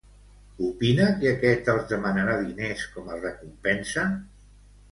Opina que aquest els demanarà diners com a recompensa?